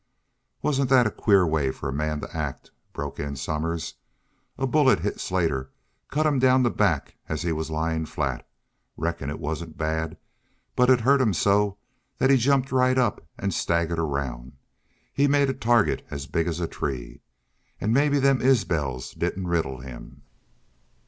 "Wasn't thet a queer way fer a man to act?" broke in Somers. "A bullet hit Slater, cut him down the back as he was lyin' flat. Reckon it wasn't bad. But it hurt him so thet he jumped right up an' staggered around. He made a target big as a tree. An' mebbe them Isbels didn't riddle him!"